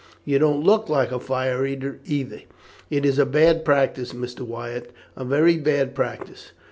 You don't look like a fire eater either. It is a bad practice, Mr. Wyatt, a very bad practice.